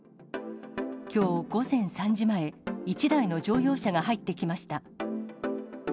きょう午前３時前、１台の乗用車が入ってきました。